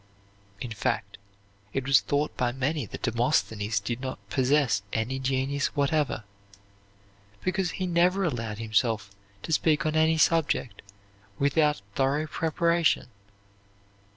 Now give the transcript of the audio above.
In fact, it was thought by many that Demosthenes did not possess any genius whatever, because he never allowed himself to speak on any subject without thorough preparation.